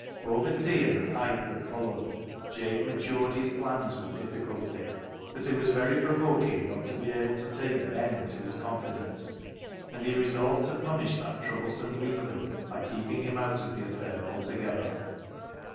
Over tea and the pipe that followed, Jabe A DIPLOMATIC REVERSE 225 matured his plans with difficulty. It was very provoking not to be able to take Ben into his confidence, and he resolved to punish that troublesome weakling by keeping him out of the affair altogether.